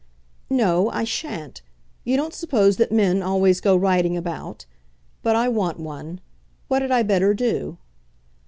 "No, I sha'n't. You don't suppose that men always go riding about. But I want one. What had I better do?"